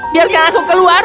biarkan aku keluar